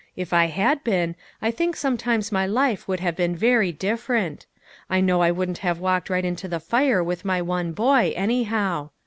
If I had been, I think sometimes my life would have been very different. I know I wouldn't have walked right into the fire with my one boy, anyhow.